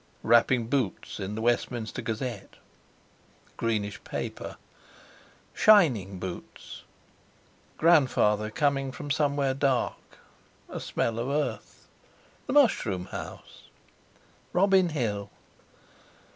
—wrapping boots in the Westminster Gazette, greenish paper, shining boots—grandfather coming from somewhere dark—a smell of earth—the mushroom house! Robin Hill!